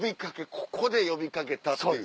ここで呼びかけたっていう。